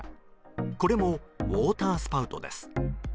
これもウォータースパウトです。